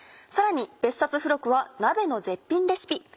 さらに別冊付録は鍋の絶品レシピ。